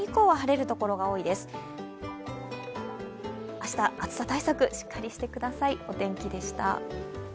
明日、暑さ対策、しっかりしてください。